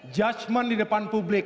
judgment di depan publik